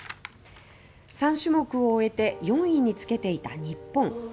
３種目を終えて４位につけていた日本。